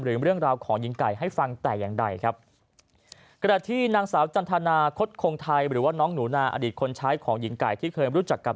เรื่องราวของหญิงไก่ให้ฟังแต่อย่างใดครับกระดาษที่นางสาวจันทนาคตคงไทยหรือว่าน้องหนูนาอดีตคนใช้ของหญิงไก่ที่เคยรู้จักกับ